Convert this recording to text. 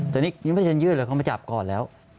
แต่นี่ยิ่งไม่ได้ยื่นเลยเขามาจับก่อนแล้ว